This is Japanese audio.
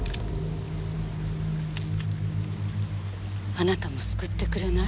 あなたも救ってくれない？